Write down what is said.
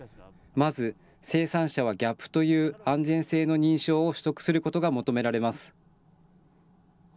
まず、生産者はＧＡＰという安全性の認証を取得することが求められます。